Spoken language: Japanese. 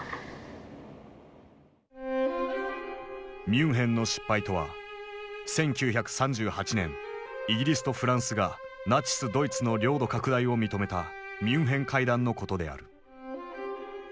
「ミュンヘンの失敗」とは１９３８年イギリスとフランスがナチスドイツの領土拡大を認めたミュンヘン会談のことである。